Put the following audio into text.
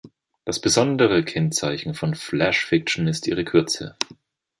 Das besondere Kennzeichen von Flash Fiction ist ihre Kürze.